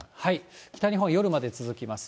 北日本、夜まで続きます。